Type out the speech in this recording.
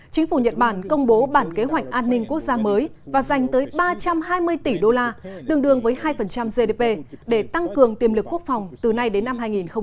chính phủ nhật bản công bố bản kế hoạch an ninh quốc gia mới và dành tới ba trăm hai mươi tỷ đô la tương đương với hai gdp để tăng cường tiềm lực quốc phòng từ nay đến năm hai nghìn hai mươi